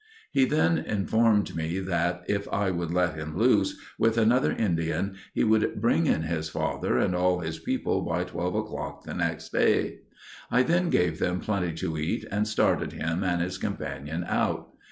He then informed me that ... if I would let him loose, with another Indian, he would bring in his father and all his people by twelve o'clock the next day. I then gave them plenty to eat and started him and his companion out.